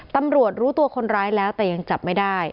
ตำรวจรู้ตัวคนร้ายแล้วแต่ยังจับไม่ได้